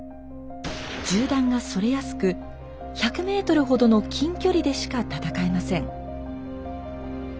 銃弾がそれやすく１００ｍほどの近距離でしか戦えません。